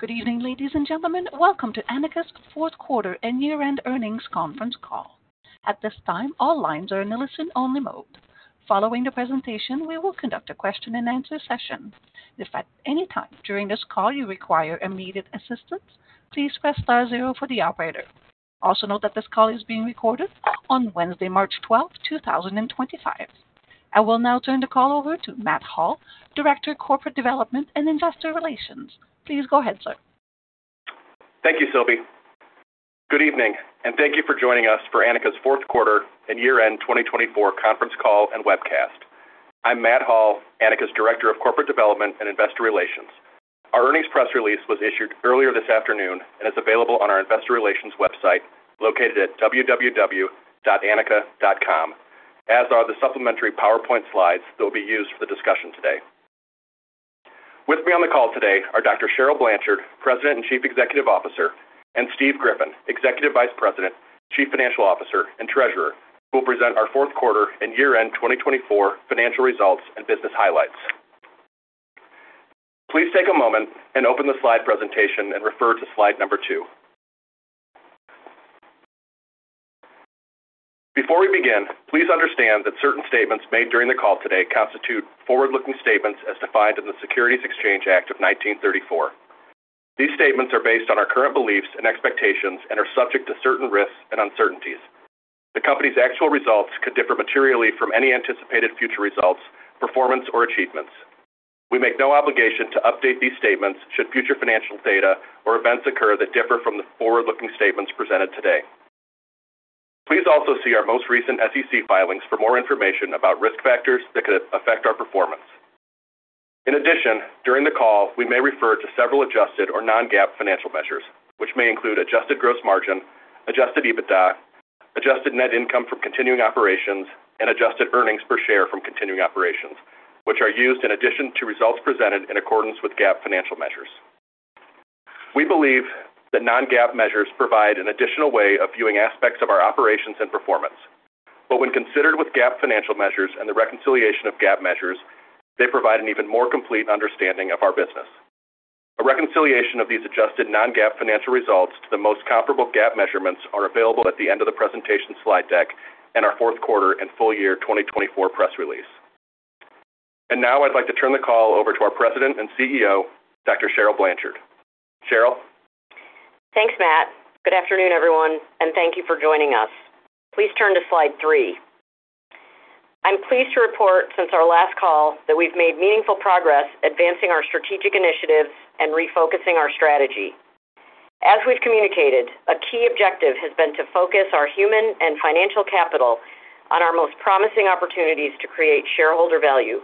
Good evening, ladies and gentlemen. Welcome to Anika's fourth quarter and year-end earnings conference call. At this time, all lines are in a listen-only mode. Following the presentation, we will conduct a question-and-answer session. If at any time during this call you require immediate assistance, please press star zero for the operator. Also note that this call is being recorded on Wednesday, March 12, 2025. I will now turn the call over to Matt Hall, Director of Corporate Development and Investor Relations. Please go ahead, sir. Thank you, Sylvie. Good evening, and thank you for joining us for Anika's fourth quarter and year-end 2024 conference call and webcast. I'm Matt Hall, Anika's Director of Corporate Development and Investor Relations. Our earnings press release was issued earlier this afternoon and is available on our Investor Relations website located at www.anika.com, as are the supplementary PowerPoint slides that will be used for the discussion today. With me on the call today are Dr. Cheryl Blanchard, President and Chief Executive Officer, and Steve Griffin, Executive Vice President, Chief Financial Officer, and Treasurer, who will present our fourth quarter and year-end 2024 financial results and business highlights. Please take a moment and open the slide presentation and refer to slide 2. Before we begin, please understand that certain statements made during the call today constitute forward-looking statements as defined in the Securities Exchange Act of 1934. These statements are based on our current beliefs and expectations and are subject to certain risks and uncertainties. The company's actual results could differ materially from any anticipated future results, performance, or achievements. We make no obligation to update these statements should future financial data or events occur that differ from the forward-looking statements presented today. Please also see our most recent SEC filings for more information about risk factors that could affect our performance. In addition, during the call, we may refer to several adjusted or non-GAAP financial measures, which may include adjusted gross margin, adjusted EBITDA, adjusted net income from continuing operations, and adjusted earnings per share from continuing operations, which are used in addition to results presented in accordance with GAAP financial measures. We believe that non-GAAP measures provide an additional way of viewing aspects of our operations and performance, but when considered with GAAP financial measures and the reconciliation of GAAP measures, they provide an even more complete understanding of our business. A reconciliation of these adjusted non-GAAP financial results to the most comparable GAAP measurements is available at the end of the presentation slide deck and our fourth quarter and full year 2024 press release. I would like to turn the call over to our President and CEO, Dr. Cheryl Blanchard. Cheryl. Thanks, Matt. Good afternoon, everyone, and thank you for joining us. Please turn to slide 3. I'm pleased to report, since our last call, that we've made meaningful progress advancing our strategic initiatives and refocusing our strategy. As we've communicated, a key objective has been to focus our human and financial capital on our most promising opportunities to create shareholder value.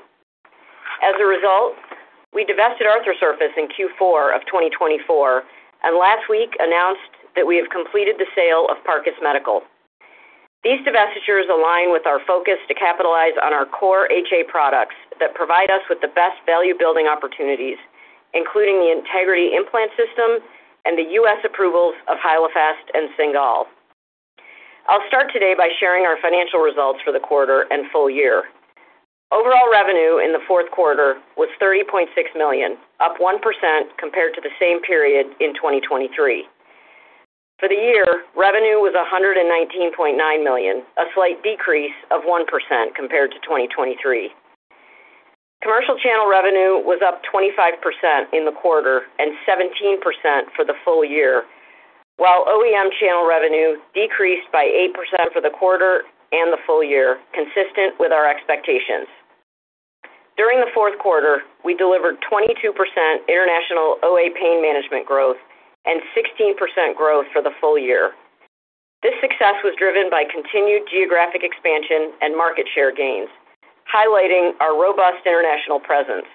As a result, we divested Arthrosurface in Q4 of 2024 and last week announced that we have completed the sale of Parcus Medical. These divestitures align with our focus to capitalize on our core HA products that provide us with the best value-building opportunities, including the Integrity Implant System and the U.S. approvals of Hyalofast and Cingal. I'll start today by sharing our financial results for the quarter and full year. Overall revenue in the fourth quarter was $30.6 million, up 1% compared to the same period in 2023. For the year, revenue was $119.9 million, a slight decrease of 1% compared to 2023. Commercial channel revenue was up 25% in the quarter and 17% for the full year, while OEM channel revenue decreased by 8% for the quarter and the full year, consistent with our expectations. During the fourth quarter, we delivered 22% international OA pain management growth and 16% growth for the full year. This success was driven by continued geographic expansion and market share gains, highlighting our robust international presence.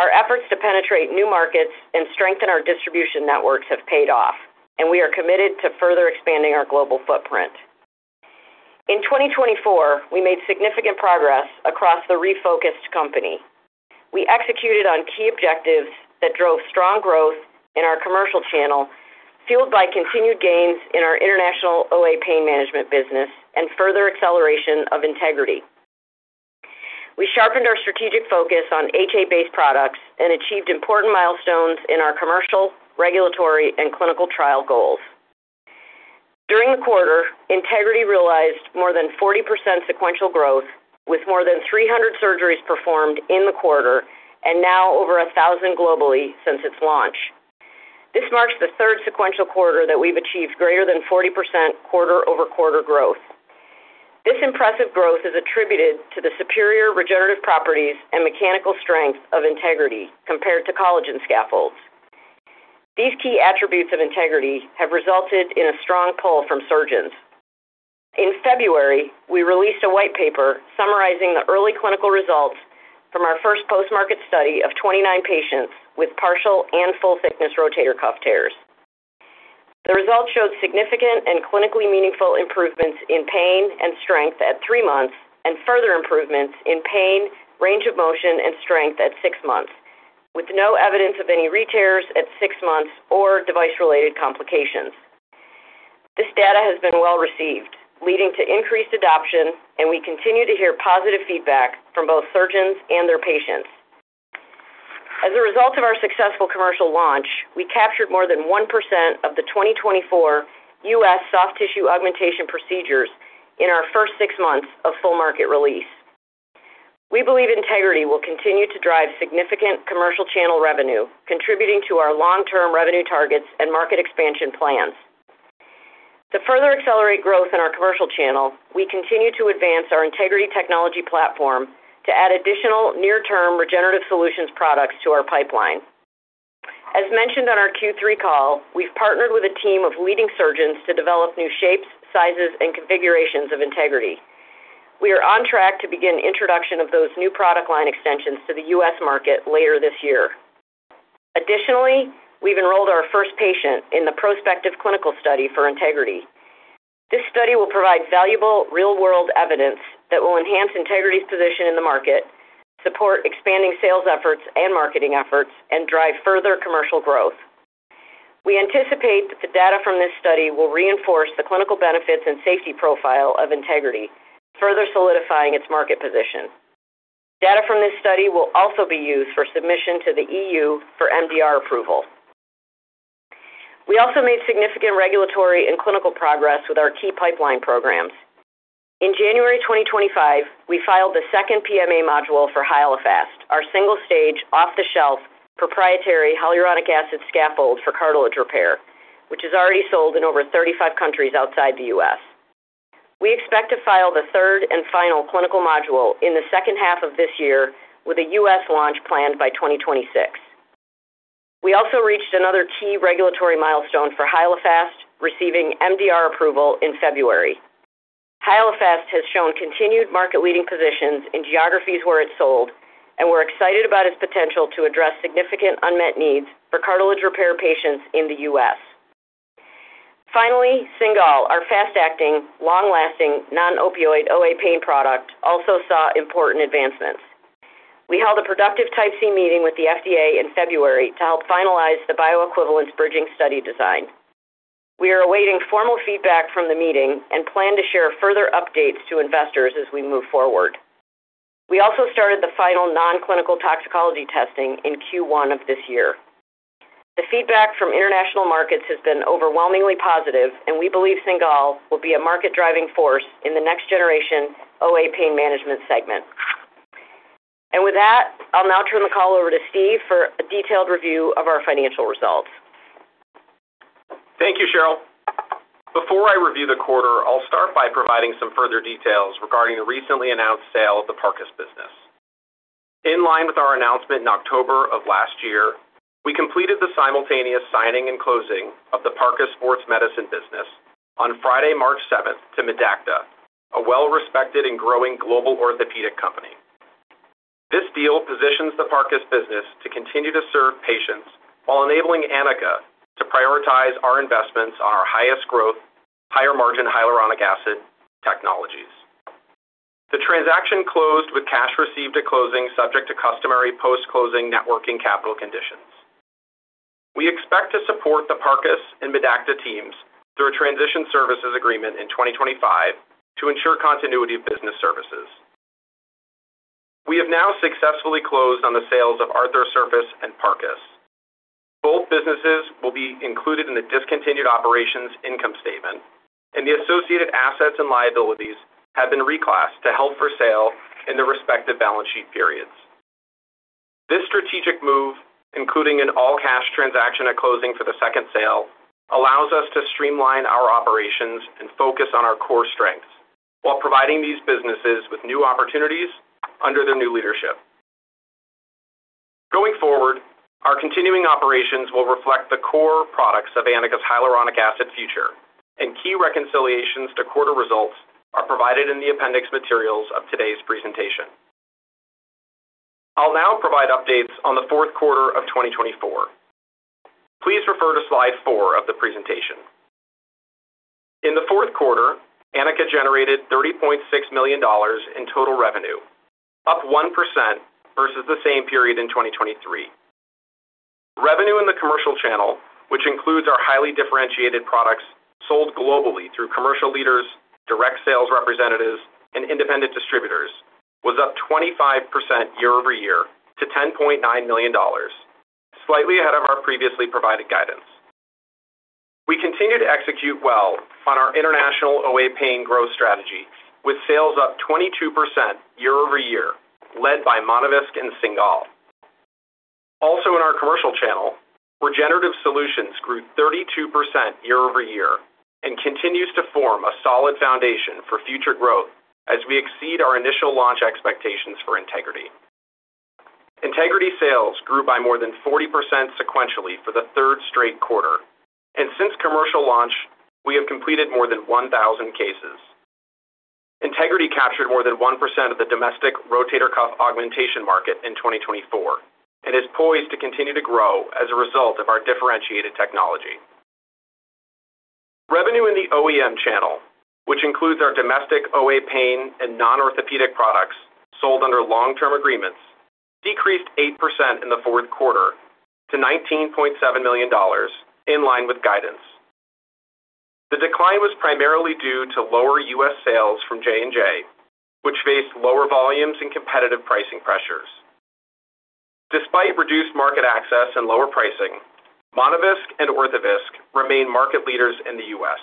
Our efforts to penetrate new markets and strengthen our distribution networks have paid off, and we are committed to further expanding our global footprint. In 2024, we made significant progress across the refocused company. We executed on key objectives that drove strong growth in our commercial channel, fueled by continued gains in our international OA pain management business and further acceleration of Integrity. We sharpened our strategic focus on HA-based products and achieved important milestones in our commercial, regulatory, and clinical trial goals. During the quarter, Integrity realized more than 40% sequential growth, with more than 300 surgeries performed in the quarter and now over 1,000 globally since its launch. This marks the third sequential quarter that we've achieved greater than 40% quarter-over-quarter growth. This impressive growth is attributed to the superior regenerative properties and mechanical strength of Integrity compared to collagen scaffolds. These key attributes of Integrity have resulted in a strong pull from surgeons. In February, we released a white paper summarizing the early clinical results from our first post-market study of 29 patients with partial and full-thickness rotator cuff tears. The results showed significant and clinically meaningful improvements in pain and strength at three months and further improvements in pain, range of motion, and strength at six months, with no evidence of any retears at six months or device-related complications. This data has been well received, leading to increased adoption, and we continue to hear positive feedback from both surgeons and their patients. As a result of our successful commercial launch, we captured more than 1% of the 2024 U.S. soft tissue augmentation procedures in our first six months of full-market release. We believe Integrity will continue to drive significant commercial channel revenue, contributing to our long-term revenue targets and market expansion plans. To further accelerate growth in our commercial channel, we continue to advance our Integrity technology platform to add additional near-term regenerative solutions products to our pipeline. As mentioned on our Q3 call, we've partnered with a team of leading surgeons to develop new shapes, sizes, and configurations of Integrity. We are on track to begin introduction of those new product line extensions to the U.S. market later this year. Additionally, we've enrolled our first patient in the prospective clinical study for Integrity. This study will provide valuable real-world evidence that will enhance Integrity's position in the market, support expanding sales efforts and marketing efforts, and drive further commercial growth. We anticipate that the data from this study will reinforce the clinical benefits and safety profile of Integrity, further solidifying its market position. Data from this study will also be used for submission to the European Union for MDR approval. We also made significant regulatory and clinical progress with our key pipeline programs. In January 2025, we filed the second PMA module for Hyalofast, our single-stage, off-the-shelf, proprietary hyaluronic acid scaffold for cartilage repair, which is already sold in over 35 countries outside the U.S. We expect to file the third and final clinical module in the second half of this year, with a U.S. launch planned by 2026. We also reached another key regulatory milestone for Hyalofast, receiving MDR approval in February. Hyalofast has shown continued market-leading positions in geographies where it's sold, and we're excited about its potential to address significant unmet needs for cartilage repair patients in the U.S. Finally, Cingal, our fast-acting, long-lasting, non-opioid OA pain product, also saw important advancements. We held a productive Type C meeting with the FDA in February to help finalize the bioequivalence bridging study design. We are awaiting formal feedback from the meeting and plan to share further updates to investors as we move forward. We also started the final non-clinical toxicology testing in Q1 of this year. The feedback from international markets has been overwhelmingly positive, and we believe Cingal will be a market-driving force in the next-generation OA pain management segment. With that, I'll now turn the call over to Steve for a detailed review of our financial results. Thank you, Cheryl. Before I review the quarter, I'll start by providing some further details regarding the recently announced sale of the Parcus business. In line with our announcement in October of last year, we completed the simultaneous signing and closing of the Parcus Sports Medicine business on Friday, March 7, to Medacta, a well-respected and growing global orthopedic company. This deal positions the Parcus business to continue to serve patients while enabling Anika to prioritize our investments on our highest-growth, higher-margin hyaluronic acid technologies. The transaction closed with cash received at closing, subject to customary post-closing net working capital conditions. We expect to support the Parcus and Medacta teams through a transition services agreement in 2025 to ensure continuity of business services. We have now successfully closed on the sales of Arthrosurface and Parcus. Both businesses will be included in the discontinued operations income statement, and the associated assets and liabilities have been reclassed to held for sale in their respective balance sheet periods. This strategic move, including an all-cash transaction at closing for the second sale, allows us to streamline our operations and focus on our core strengths while providing these businesses with new opportunities under their new leadership. Going forward, our continuing operations will reflect the core products of Anika's hyaluronic acid future, and key reconciliations to quarter results are provided in the appendix materials of today's presentation. I'll now provide updates on the fourth quarter of 2024. Please refer to slide 4 of the presentation. In the fourth quarter, Anika generated $30.6 million in total revenue, up 1% versus the same period in 2023. Revenue in the commercial channel, which includes our highly differentiated products sold globally through commercial leaders, direct sales representatives, and independent distributors, was up 25% year-over-year to $10.9 million, slightly ahead of our previously provided guidance. We continue to execute well on our international OA pain growth strategy, with sales up 22% year-over-year, led by Monovisc and Cingal. Also, in our commercial channel, regenerative solutions grew 32% year-over-year and continue to form a solid foundation for future growth as we exceed our initial launch expectations for Integrity. Integrity sales grew by more than 40% sequentially for the third straight quarter, and since commercial launch, we have completed more than 1,000 cases. Integrity captured more than 1% of the domestic rotator cuff augmentation market in 2024 and is poised to continue to grow as a result of our differentiated technology. Revenue in the OEM channel, which includes our domestic OA pain and non-orthopedic products sold under long-term agreements, decreased 8% in the fourth quarter to $19.7 million in line with guidance. The decline was primarily due to lower U.S. sales from J&J, which faced lower volumes and competitive pricing pressures. Despite reduced market access and lower pricing, Monovisc and Orthovisc remain market leaders in the U.S.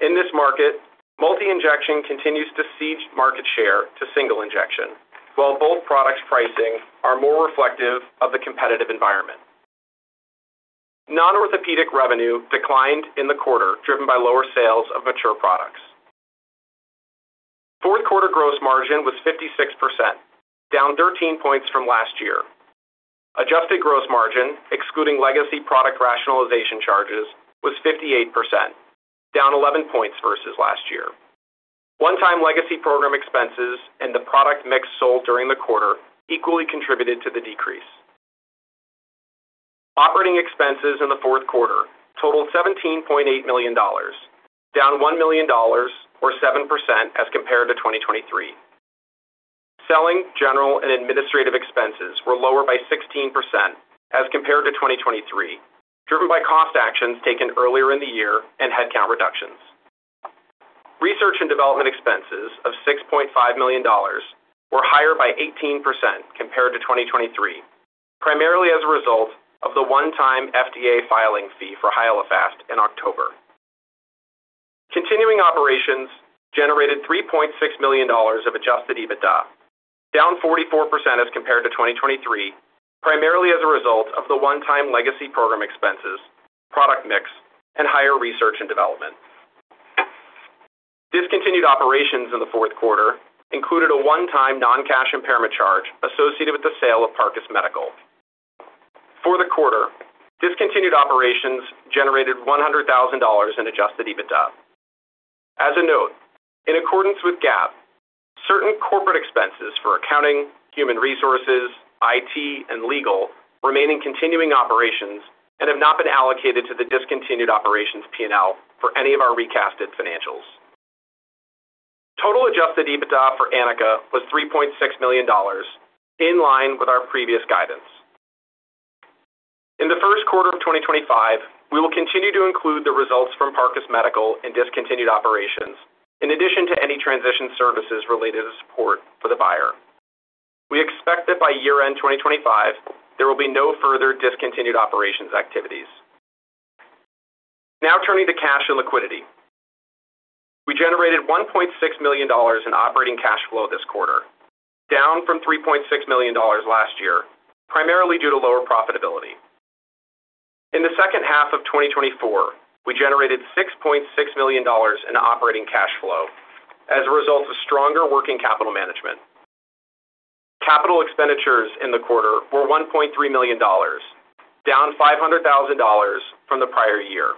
In this market, multi-injection continues to cede market share to single injection, while both products' pricing is more reflective of the competitive environment. Non-orthopedic revenue declined in the quarter, driven by lower sales of mature products. Fourth quarter gross margin was 56%, down 13 percentage points from last year. Adjusted gross margin, excluding legacy product rationalization charges, was 58%, down 11 percentage points versus last year. One-time legacy program expenses and the product mix sold during the quarter equally contributed to the decrease. Operating expenses in the fourth quarter totaled $17.8 million, down $1 million, or 7% as compared to 2023. Selling, general, and administrative expenses were lower by 16% as compared to 2023, driven by cost actions taken earlier in the year and headcount reductions. Research and development expenses of $6.5 million were higher by 18% compared to 2023, primarily as a result of the one-time FDA filing fee for Hyalofast in October. Continuing operations generated $3.6 million of adjusted EBITDA, down 44% as compared to 2023, primarily as a result of the one-time legacy program expenses, product mix, and higher research and development. Discontinued operations in the fourth quarter included a one-time non-cash impairment charge associated with the sale of Parcus Medical. For the quarter, discontinued operations generated $100,000 in adjusted EBITDA. As a note, in accordance with GAAP, certain corporate expenses for accounting, human resources, IT, and legal remain in continuing operations and have not been allocated to the discontinued operations P&L for any of our recasted financials. Total adjusted EBITDA for Anika was $3.6 million, in line with our previous guidance. In the first quarter of 2025, we will continue to include the results from Parcus Medical and discontinued operations, in addition to any transition services related to support for the buyer. We expect that by year-end 2025, there will be no further discontinued operations activities. Now turning to cash and liquidity. We generated $1.6 million in operating cash flow this quarter, down from $3.6 million last year, primarily due to lower profitability. In the second half of 2024, we generated $6.6 million in operating cash flow as a result of stronger working capital management. Capital expenditures in the quarter were $1.3 million, down $500,000 from the prior year.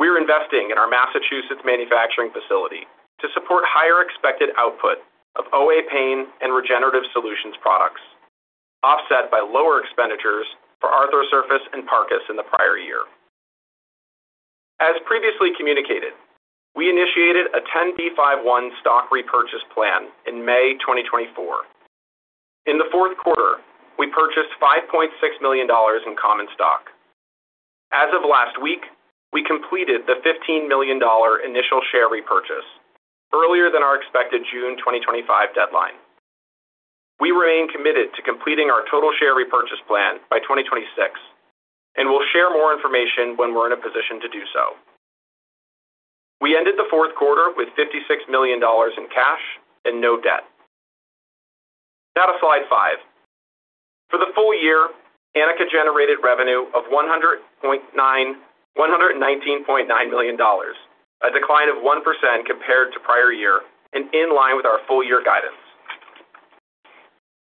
We are investing in our Massachusetts manufacturing facility to support higher expected output of OA pain and regenerative solutions products, offset by lower expenditures for Arthrosurface and Parcus in the prior year. As previously communicated, we initiated a 10b5-1 stock repurchase plan in May 2024. In the fourth quarter, we purchased $5.6 million in common stock. As of last week, we completed the $15 million initial share repurchase, earlier than our expected June 2025 deadline. We remain committed to completing our total share repurchase plan by 2026 and will share more information when we're in a position to do so. We ended the fourth quarter with $56 million in cash and no debt. Now to slide 5. For the full year, Anika generated revenue of $119.9 million, a decline of 1% compared to prior year and in line with our full-year guidance.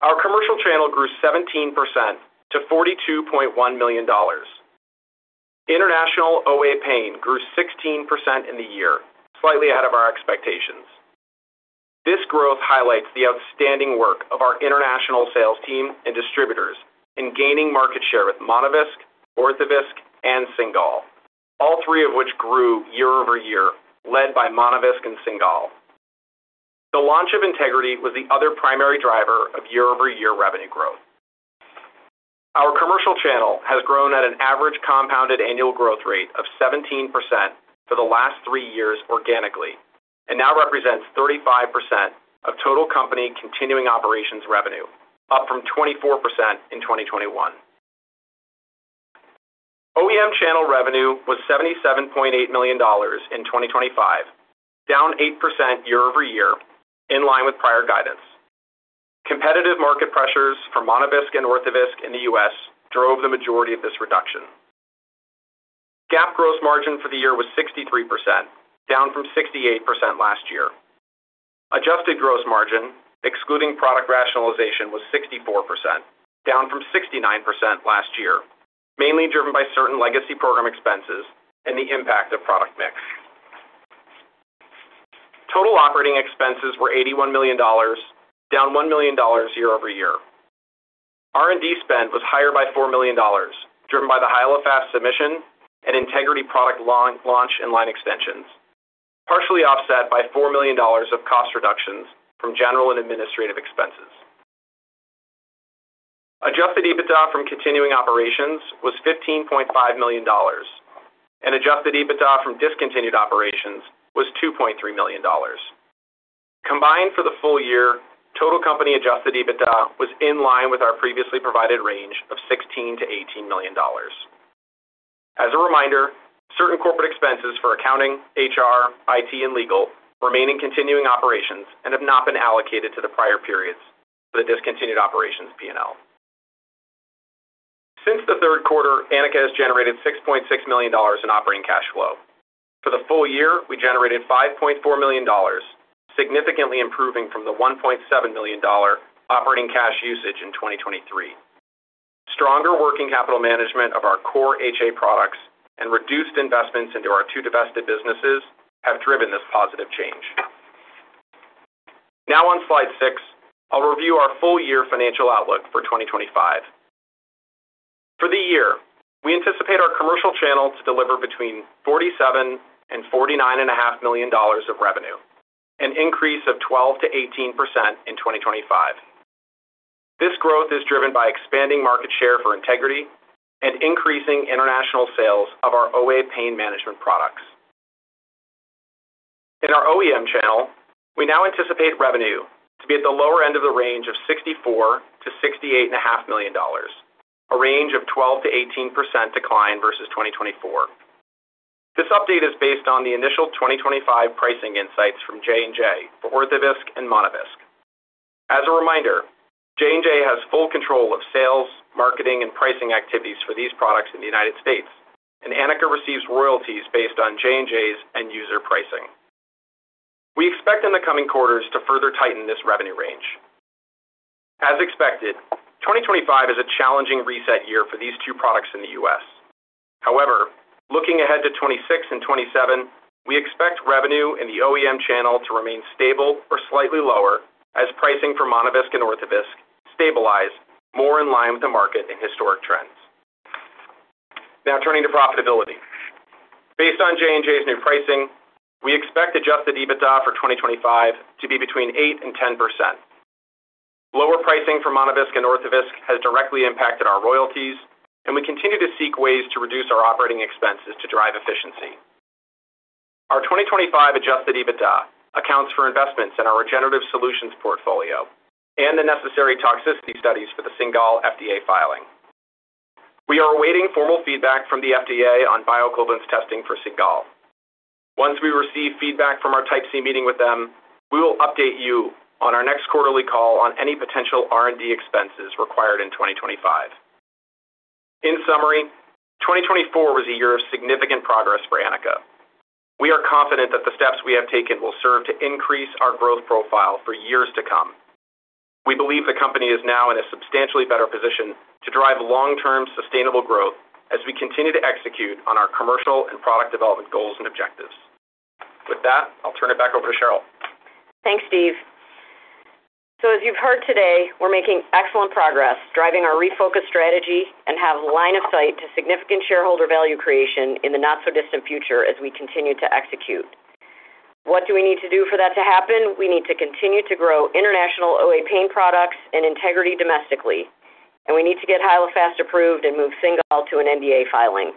Our commercial channel grew 17% to $42.1 million. International OA pain grew 16% in the year, slightly ahead of our expectations. This growth highlights the outstanding work of our international sales team and distributors in gaining market share with Monovisc, Orthovisc, and Cingal, all three of which grew year-over-year, led by Monovisc and Cingal. The launch of Integrity was the other primary driver of year-over-year revenue growth. Our commercial channel has grown at an average compounded annual growth rate of 17% for the last three years organically and now represents 35% of total company continuing operations revenue, up from 24% in 2021. OEM channel revenue was $77.8 million in 2023, down 8% year-over-year, in line with prior guidance. Competitive market pressures for Monovisc and Orthovisc in the U.S. drove the majority of this reduction. GAAP gross margin for the year was 63%, down from 68% last year. Adjusted gross margin, excluding product rationalization, was 64%, down from 69% last year, mainly driven by certain legacy program expenses and the impact of product mix. Total operating expenses were $81 million, down $1 million year-over-year. R&D spend was higher by $4 million, driven by the Hyalofast submission and Integrity product launch and line extensions, partially offset by $4 million of cost reductions from general and administrative expenses. Adjusted EBITDA from continuing operations was $15.5 million, and adjusted EBITDA from discontinued operations was $2.3 million. Combined for the full year, total company adjusted EBITDA was in line with our previously provided range of $16 million-$18 million. As a reminder, certain corporate expenses for accounting, HR, IT, and legal remain in continuing operations and have not been allocated to the prior periods for the discontinued operations P&L. Since the third quarter, Anika has generated $6.6 million in operating cash flow. For the full year, we generated $5.4 million, significantly improving from the $1.7 million operating cash usage in 2023. Stronger working capital management of our core HA products and reduced investments into our two divested businesses have driven this positive change. Now on slide 6, I'll review our full-year financial outlook for 2025. For the year, we anticipate our commercial channel to deliver between $47 million and $49.5 million of revenue, an increase of 12%-18% in 2025. This growth is driven by expanding market share for Integrity and increasing international sales of our OA pain management products. In our OEM channel, we now anticipate revenue to be at the lower end of the range of $64 million-$68.5 million, a range of 12%-18% decline versus 2024. This update is based on the initial 2025 pricing insights from J&J for Orthovisc and Monovisc. As a reminder, J&J has full control of sales, marketing, and pricing activities for these products in the U.S., and Anika receives royalties based on J&J's end-user pricing. We expect in the coming quarters to further tighten this revenue range. As expected, 2025 is a challenging reset year for these two products in the U.S. However, looking ahead to 2026 and 2027, we expect revenue in the OEM channel to remain stable or slightly lower as pricing for Monovisc and Orthovisc stabilize more in line with the market and historic trends. Now turning to profitability. Based on J&J's new pricing, we expect adjusted EBITDA for 2025 to be between 8-10%. Lower pricing for Monovisc and Orthovisc has directly impacted our royalties, and we continue to seek ways to reduce our operating expenses to drive efficiency. Our 2025 adjusted EBITDA accounts for investments in our regenerative solutions portfolio and the necessary toxicity studies for the Cingal FDA filing. We are awaiting formal feedback from the FDA on bioequivalence testing for Cingal. Once we receive feedback from our Type C meeting with them, we will update you on our next quarterly call on any potential R&D expenses required in 2025. In summary, 2024 was a year of significant progress for Anika. We are confident that the steps we have taken will serve to increase our growth profile for years to come. We believe the company is now in a substantially better position to drive long-term sustainable growth as we continue to execute on our commercial and product development goals and objectives. With that, I'll turn it back over to Cheryl. Thanks, Steve. As you've heard today, we're making excellent progress, driving our refocus strategy, and have line of sight to significant shareholder value creation in the not-so-distant future as we continue to execute. What do we need to do for that to happen? We need to continue to grow international OA pain products and Integrity domestically, and we need to get Hyalofast approved and move Cingal to an NDA filing.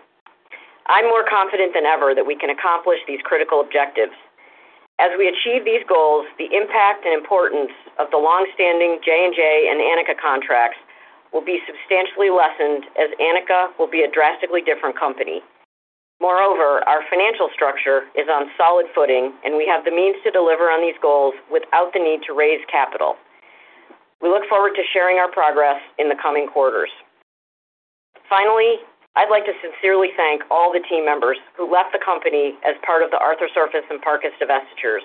I'm more confident than ever that we can accomplish these critical objectives. As we achieve these goals, the impact and importance of the long-standing J&J and Anika contracts will be substantially lessened as Anika will be a drastically different company. Moreover, our financial structure is on solid footing, and we have the means to deliver on these goals without the need to raise capital. We look forward to sharing our progress in the coming quarters. Finally, I'd like to sincerely thank all the team members who left the company as part of the Arthrosurface and Parcus divestitures.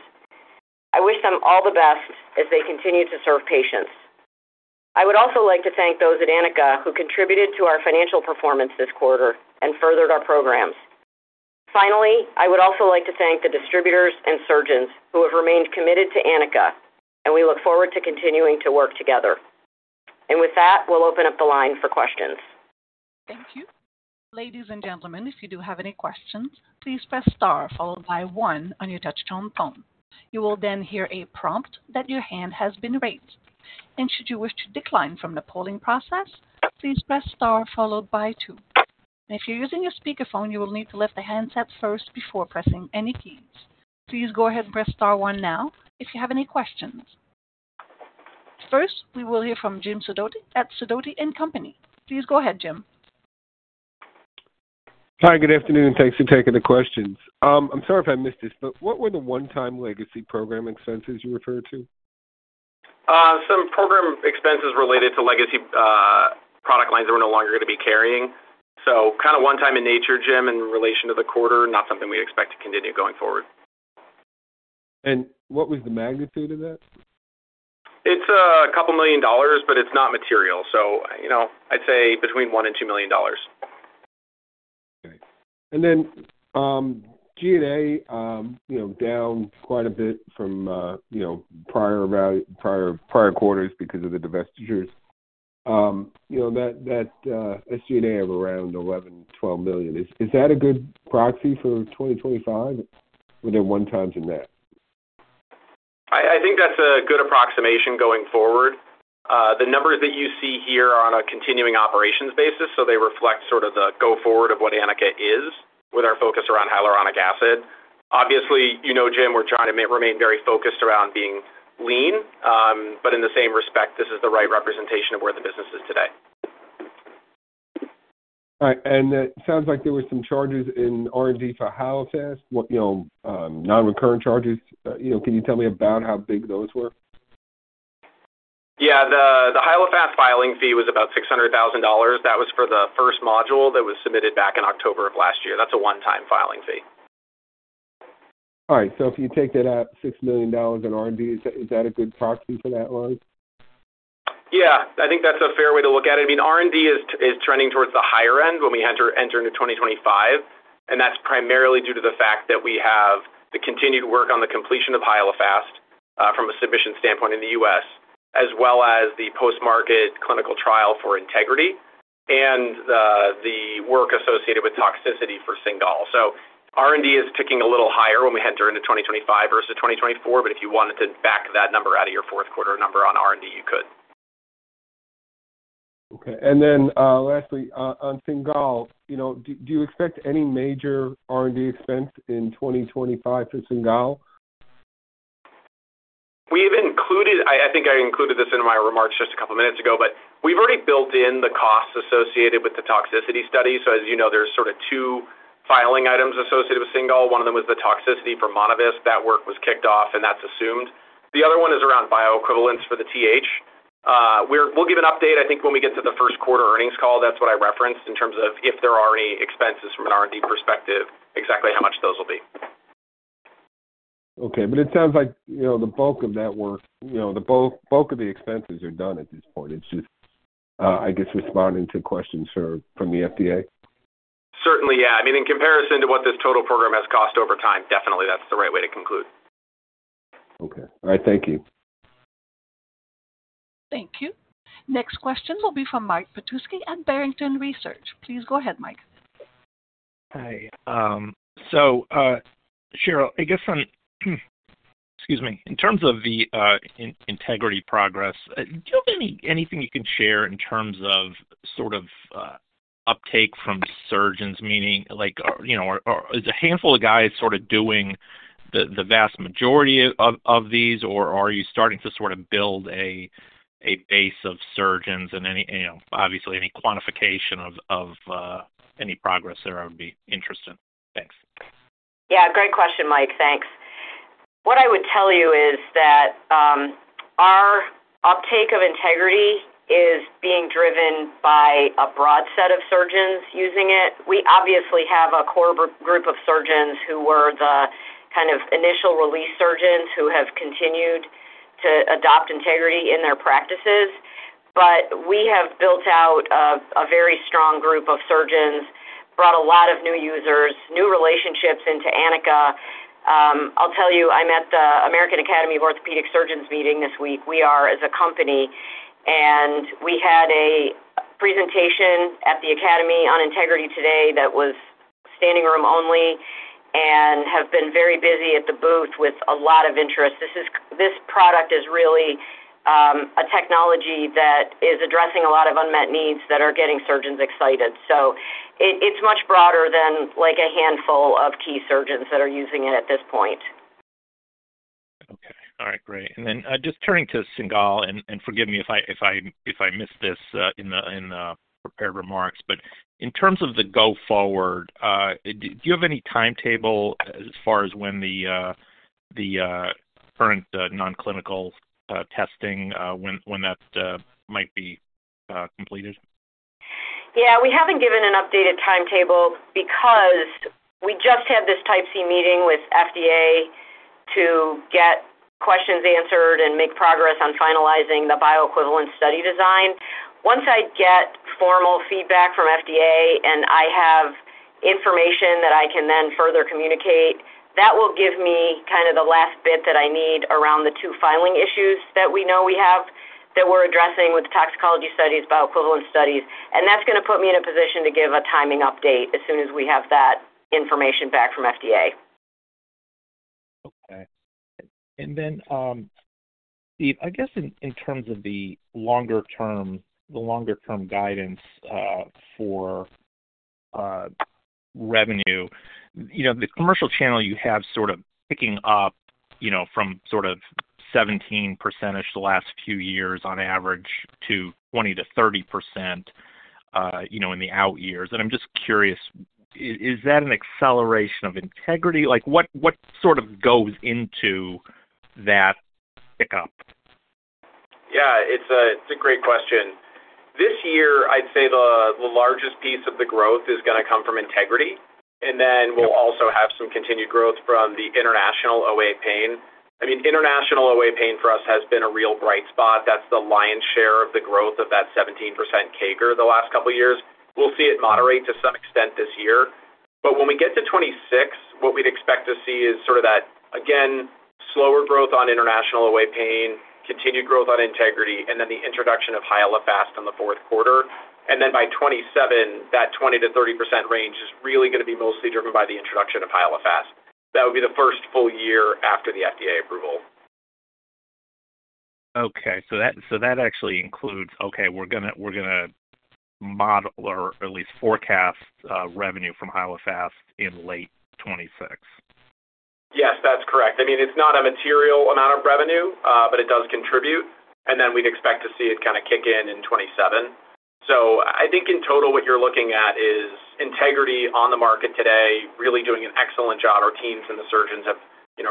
I wish them all the best as they continue to serve patients. I would also like to thank those at Anika who contributed to our financial performance this quarter and furthered our programs. I would also like to thank the distributors and surgeons who have remained committed to Anika, and we look forward to continuing to work together. With that, we'll open up the line for questions. Thank you. Ladies and gentlemen, if you do have any questions, please press star followed by one on your touch-tone phone. You will then hear a prompt that your hand has been raised. Should you wish to decline from the polling process, please press star followed by two. If you're using your speakerphone, you will need to lift the hands up first before pressing any keys. Please go ahead and press star one now if you have any questions. First, we will hear from Jim Sidoti at Sidoti & Company. Please go ahead, Jim. Hi, good afternoon. Thanks for taking the questions. I'm sorry if I missed this, but what were the one-time legacy program expenses you referred to? Some program expenses related to legacy product lines that we're no longer going to be carrying. Kind of one-time in nature, Jim, in relation to the quarter, not something we expect to continue going forward. What was the magnitude of that? It's a couple million dollars, but it's not material. I'd say between $1 million and $2 million. Okay. G&A down quite a bit from prior quarters because of the divestitures. That SG&A of around $11 million-$12 million, is that a good proxy for 2025? Were there one-times in that? I think that's a good approximation going forward. The numbers that you see here are on a continuing operations basis, so they reflect sort of the go-forward of what Anika is with our focus around hyaluronic acid. Obviously, you know, Jim, we're trying to remain very focused around being lean, but in the same respect, this is the right representation of where the business is today. All right. It sounds like there were some charges in R&D for Hyalofast, non-recurrent charges. Can you tell me about how big those were? Yeah. The Hyalofast filing fee was about $600,000. That was for the first module that was submitted back in October of last year. That's a one-time filing fee. All right. If you take that out, $6 million in R&D, is that a good proxy for that one? Yeah. I think that's a fair way to look at it. I mean, R&D is trending towards the higher end when we enter into 2025, and that's primarily due to the fact that we have the continued work on the completion of Hyalofast from a submission standpoint in the U.S., as well as the post-market clinical trial for Integrity and the work associated with toxicity for Cingal. R&D is ticking a little higher when we enter into 2025 versus 2024, but if you wanted to back that number out of your fourth quarter number on R&D, you could. Okay. Lastly, on Cingal, do you expect any major R&D expense in 2025 for Cingal? I think I included this in my remarks just a couple of minutes ago, but we've already built in the costs associated with the toxicity study. As you know, there are sort of two filing items associated with Cingal. One of them was the toxicity for Monovisc. That work was kicked off, and that's assumed. The other one is around bioequivalence for the TH. We'll give an update, I think, when we get to the first quarter earnings call. That's what I referenced in terms of if there are any expenses from an R&D perspective, exactly how much those will be. Okay. It sounds like the bulk of that work, the bulk of the expenses are done at this point. It's just, I guess, responding to questions from the FDA. Certainly, yeah. I mean, in comparison to what this total program has cost over time, definitely that's the right way to conclude. Okay. All right. Thank you. Thank you. Next questions will be from Mike Petusky at Barrington Research. Please go ahead, Mike. Hi. So Cheryl, I guess, excuse me, in terms of the Integrity progress, do you have anything you can share in terms of sort of uptake from surgeons, meaning is a handful of guys sort of doing the vast majority of these, or are you starting to sort of build a base of surgeons and obviously any quantification of any progress there I would be interested in. Thanks. Yeah. Great question, Mike. Thanks. What I would tell you is that our uptake of Integrity is being driven by a broad set of surgeons using it. We obviously have a core group of surgeons who were the kind of initial release surgeons who have continued to adopt Integrity in their practices, but we have built out a very strong group of surgeons, brought a lot of new users, new relationships into Anika. I'll tell you, I'm at the American Academy of Orthopaedic Surgeons meeting this week. We are as a company, and we had a presentation at the Academy on Integrity today that was standing room only and have been very busy at the booth with a lot of interest. This product is really a technology that is addressing a lot of unmet needs that are getting surgeons excited. It is much broader than a handful of key surgeons that are using it at this point. Okay. All right. Great. Turning to Cingal, and forgive me if I missed this in the prepared remarks, but in terms of the go-forward, do you have any timetable as far as when the current non-clinical testing, when that might be completed? Yeah. We have not given an updated timetable because we just had this Type C meeting with FDA to get questions answered and make progress on finalizing the bioequivalent study design. Once I get formal feedback from FDA and I have information that I can then further communicate, that will give me kind of the last bit that I need around the two filing issues that we know we have that we are addressing with toxicology studies, bioequivalent studies. That is going to put me in a position to give a timing update as soon as we have that information back from FDA. Okay. Steve, I guess in terms of the longer-term guidance for revenue, the commercial channel you have sort of picking up from sort of 17%ish the last few years on average to 20-30% in the out years. I'm just curious, is that an acceleration of Integrity? What sort of goes into that pickup? Yeah. It's a great question. This year, I'd say the largest piece of the growth is going to come from Integrity, and then we'll also have some continued growth from the international OA pain. I mean, international OA pain for us has been a real bright spot. That's the lion's share of the growth of that 17% CAGR the last couple of years. We'll see it moderate to some extent this year. When we get to 2026, what we'd expect to see is sort of that, again, slower growth on international OA pain, continued growth on Integrity, and then the introduction of Hyalofast in the fourth quarter. By 2027, that 20-30% range is really going to be mostly driven by the introduction of Hyalofast. That would be the first full year after the FDA approval. Okay. That actually includes, okay, we're going to model or at least forecast revenue from Hyalofast in late 2026. Yes, that's correct. I mean, it's not a material amount of revenue, but it does contribute. We'd expect to see it kind of kick in in 2027. I think in total, what you're looking at is Integrity on the market today, really doing an excellent job. Our teams and the surgeons have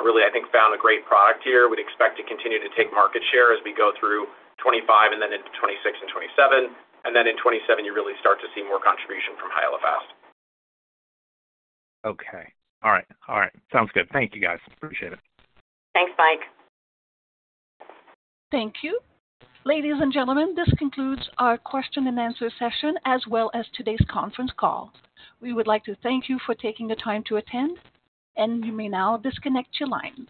really, I think, found a great product here. We'd expect to continue to take market share as we go through 2025 and then into 2026 and 2027. In 2027, you really start to see more contribution from Hyalofast. Okay. All right. All right. Sounds good. Thank you, guys. Appreciate it. Thanks, Mike. Thank you. Ladies and gentlemen, this concludes our question and answer session as well as today's conference call. We would like to thank you for taking the time to attend, and you may now disconnect your lines.